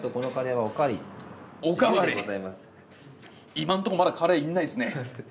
今んとこまだカレーいんないっすね。